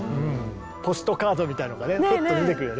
ポストカードみたいなのがねふっと出てくるよね。